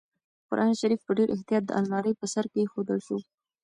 قرانشریف په ډېر احتیاط د المارۍ په سر کېښودل شو.